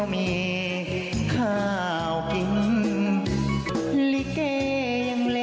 ก่อนที่จะก่อเหตุนี้นะฮะไปดูนะฮะสิ่งที่เขาได้ทิ้งเอาไว้นะครับ